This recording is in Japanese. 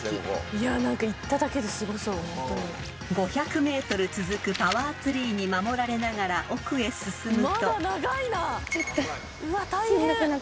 ［５００ｍ続くパワーツリーに守られながら奥へ進むと］